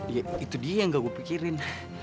ya itu dia yang gak gue pikirin